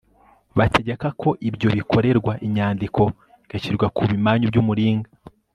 bategeka ko ibyo bikorerwa inyandiko igashyirwa ku bimanyu by'umuringa